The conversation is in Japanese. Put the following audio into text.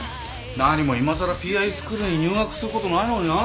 何もいまさらＰＩスクールに入学することもないのにな。